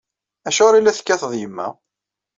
Acuɣer i la tekkateḍ yemma?!